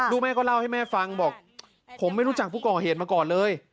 แม่ก็เล่าให้แม่ฟังบอกผมไม่รู้จักผู้ก่อเหตุมาก่อนเลย